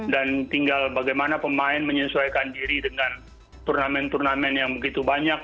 dan tinggal bagaimana pemain menyesuaikan diri dengan turnamen turnamen yang begitu banyak